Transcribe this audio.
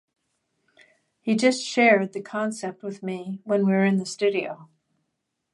He just shared the concept with me when we were in the studio.